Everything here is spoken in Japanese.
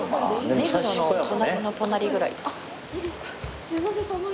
目黒の隣の隣くらい。